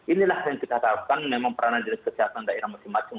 inilah yang kita harapkan memang peranan dinas kesehatan daerah masing masing